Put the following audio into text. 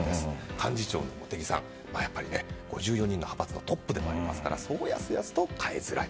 幹事長の茂木さん、５４人の派閥のトップでもありますからそう、やすやすと変えづらい。